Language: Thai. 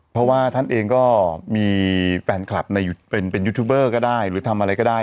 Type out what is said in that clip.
เพราะว่าท่านเองก็มีแฟนคลับเป็นยูทูบเบอร์ก็ได้หรือทำอะไรก็ได้